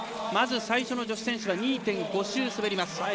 まず最初の女子選手が２．５周、走ります。